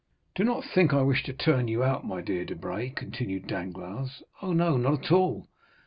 "Do not think I wish to turn you out, my dear Debray," continued Danglars; "oh, no, not at all.